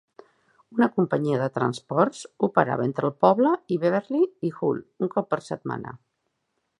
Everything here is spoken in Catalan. Una companyia de transports operava entre el poble i Beverley i Hull un cop per setmana.